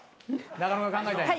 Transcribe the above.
中野が考えたんや。